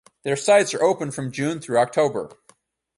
Their sites are open from June through October.